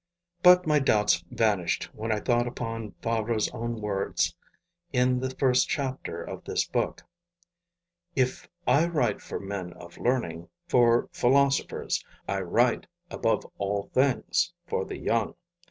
But my doubts vanished when I thought upon Fabre's own words in the first chapter of this book: 'If I write for men of learning, for philosophers...I write above all things for the young.